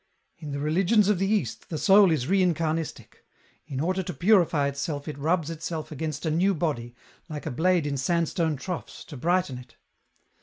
In the religions of the East, the soul is re incarn istic ; in order to purify itself it rubs itself against a new body, like a blade in sandstone troughs, to brighten it.